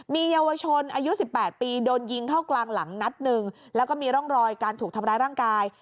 มีเยาวชนอายุ๑๘ปีโดนยิงเข้ากลางหลังนัดหนึ่งแล้วก็มีร่องรอยการถูกทำร้ายร่างกาย